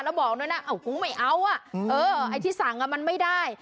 แล้วบอกด้วยนะกูไม่เอาไอ้ที่สั่งมันไม่ได้